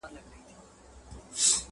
په لامبو کي یې ځان نه وو آزمېیلی!!